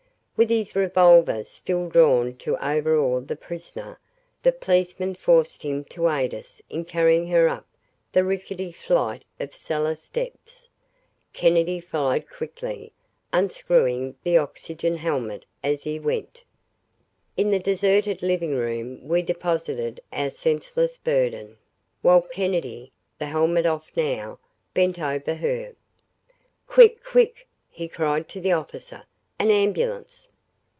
With his revolver still drawn to overawe the prisoner, the policeman forced him to aid us in carrying her up the rickety flight of cellar steps. Kennedy followed quickly, unscrewing the oxygen helmet as he went. In the deserted living room we deposited our senseless burden, while Kennedy, the helmet off now, bent over her. "Quick quick!" he cried to the officer, "An ambulance!"